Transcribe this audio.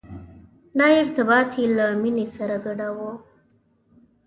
دا ارتباط یې له مینې سره ګډاوه.